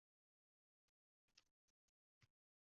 Aslida gapning ham, sukutning ham mavridi bor.